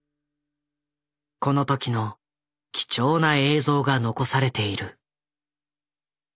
この時の貴重な映像が残されている。